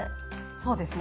そうですね。